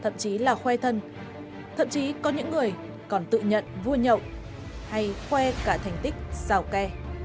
thậm chí là khoe thân thậm chí có những người còn tự nhận vui nhậu hay khoe cả thành tích xào kè